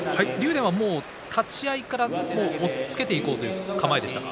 電は、もう立ち合いから押っつけていこうという形でしたか。